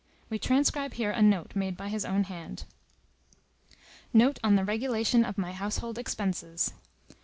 We transcribe here a note made by his own hand:— NOTE ON THE REGULATION OF MY HOUSEHOLD EXPENSES.